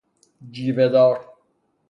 جیوه دار